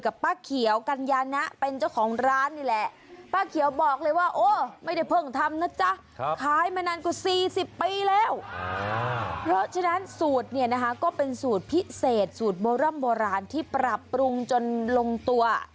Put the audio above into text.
ขายมานานกว่า๔๐ปีแล้วเพราะฉะนั้นสูตรเนี่ยนะคะก็เป็นสูตรพิเศษสูตรโบร่ำโบราณที่ปรับปรุงจนลงตัว